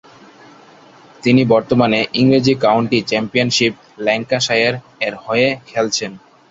তিনি বর্তমানে ইংরেজি কাউন্টি চ্যাম্পিয়নশিপ ল্যাঙ্কাশায়ার এর হয়ে খেলছেন।